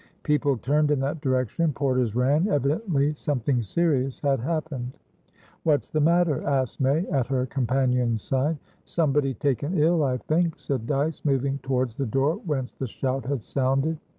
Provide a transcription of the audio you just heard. People turned in that direction; porters ran; evidently, something serious had happened. "What's the matter?" asked May, at her companion's side. "Somebody taken ill, I think," said Dyce, moving towards the door whence the shout had sounded.